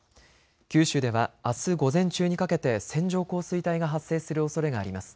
九州ではあす午前中にかけて線状降水帯が発生するおそれがあります。